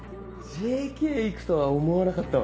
ＪＫ行くとは思わなかったわ。